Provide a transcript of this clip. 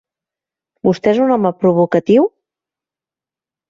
Vostè és un home provocatiu?